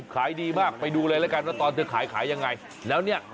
ค่ะนี่คือขนมถ้วยนะฮะ